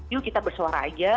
yuk kita bersuara aja